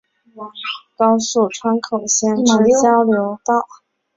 新井宿出入口是位于崎玉县川口市的首都高速川口线之交流道。